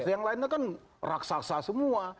yang lainnya kan raksasa semua